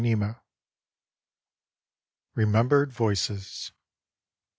19 REMEMBERED VOICES.